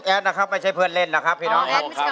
นะครับไม่ใช่เพื่อนเล่นนะครับพี่น้องครับ